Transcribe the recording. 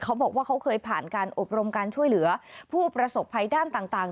เขาบอกว่าเขาเคยผ่านการอบรมการช่วยเหลือผู้ประสบภัยด้านต่าง